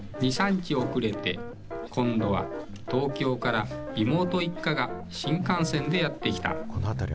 ２、３日遅れて、今度は東京から妹一家が新幹線でやって来た。